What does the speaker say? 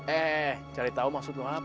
eh cari tau maksud rumah apa